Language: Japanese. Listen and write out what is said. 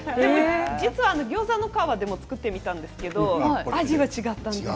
実はギョーザの皮でも作ってみたんですけど味が違ったんです。